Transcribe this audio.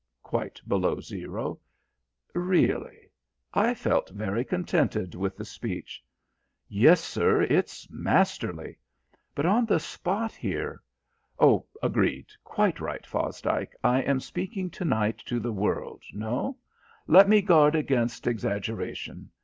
quite below zero "Really? I felt very contented with the speech." "Yes, sir, it's masterly. But on the spot here " "Oh, agreed. Quite right, Fosdike. I am speaking to night to the world no; let me guard against exaggeration.